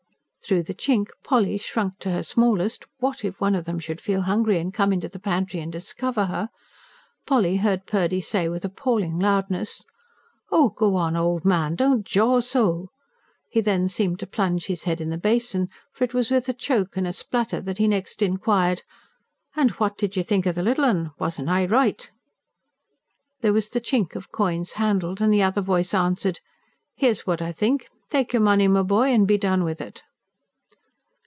Through the chink, Polly, shrunk to her smallest what if one of them should feel hungry, and come into the pantry and discover her? Polly heard Purdy say with appalling loudness: "Oh, go on, old man don't jaw so!" He then seemed to plunge his head in the basin, for it was with a choke and a splutter that he next inquired: "And what did you think of the little 'un? Wasn't I right?" There was the chink of coins handled, and the other voice answered: "Here's what I think. Take your money, my boy, and be done with it!"